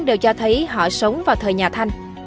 đều cho thấy họ sống vào thời nhà thanh